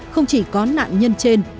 không chỉ có nạn nhân trên